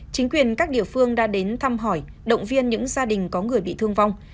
chính quyền các địa phương đã đến thăm hỏi động viên những gia đình có người bị thương vong